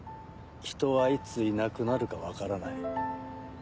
人はいついなくなるか分からない。